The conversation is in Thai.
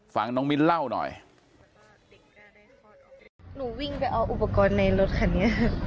ฟังน้องมิ้นเล่าหน่อยหนูวิ่งไปเอาอุปกรณ์ในรถคันนี้